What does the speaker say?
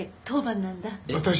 当番なんだ。